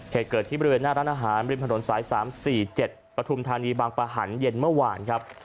เหตุเกิดที่บริเวณหน้าร้านอาหารริมถนนสาย๓๔๗ปฐุมธานีบางประหันเย็นเมื่อวานครับ